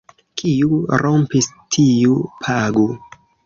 Kiu rompis, tiu pagu.